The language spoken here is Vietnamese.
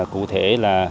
cụ thể là